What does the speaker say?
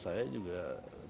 saya rasa enggak ya